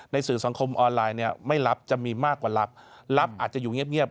สื่อสังคมออนไลน์เนี่ยไม่รับจะมีมากกว่าลับลับอาจจะอยู่เงียบ